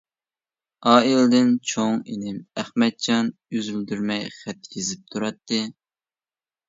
ئائىلىدىن چوڭ ئىنىم ئەخمەتجان ئۈزۈلدۈرمەي خەت يېزىپ تۇراتتى.